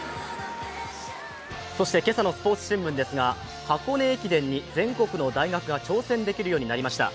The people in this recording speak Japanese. そして、今朝のスポ−ツ新聞ですが、箱根駅伝に全国の大学が挑戦できるようになりました。